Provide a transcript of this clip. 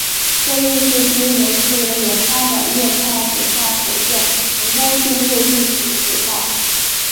这亦是第一枚私人研发的液态轨道火箭成功进入地球轨道。